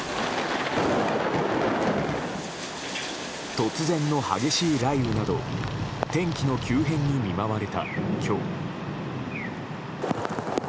突然の激しい雷雨など天気の急変に見舞われた今日。